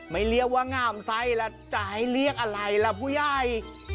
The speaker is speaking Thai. ไม่เรียกว่าง่ามใสละจะให้เรียกอะไรละผู้ย่าย